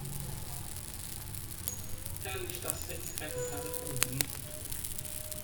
Ela está sendo infectada com gripe.